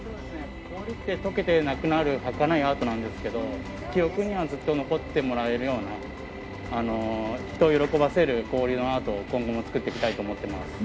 氷ってとけてなくなるはかないアートなんですけど記憶にはずっと残ってもらえるような、人を喜ばせる氷のアートを今後も造っていきたいと思っています。